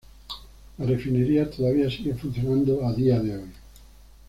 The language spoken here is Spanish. La refinería todavía sigue funcionando a día de hoy.